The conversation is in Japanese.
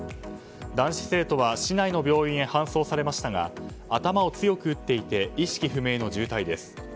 男子生徒は市内の病院へ搬送されましたが頭を強く打っていて意識不明の重体です。